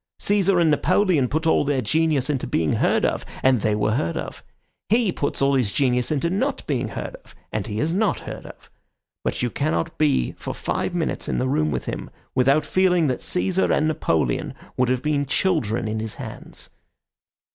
Caesar and Napoleon put all their genius into being heard of, and they were heard of. He puts all his genius into not being heard of, and he is not heard of. But you cannot be for five minutes in the room with him without feeling that Caesar and Napoleon would have been children in his hands."